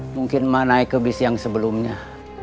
mungkin mau naik ke bis yang sebelumnya